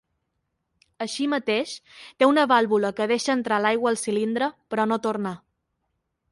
Així mateix, té una vàlvula que deixa entrar l'aigua al cilindre, però no tornar.